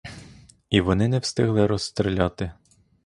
І вони не встигли розстріляти.